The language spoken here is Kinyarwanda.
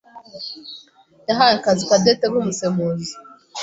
yahaye akazi Cadette nk'umusemuzi.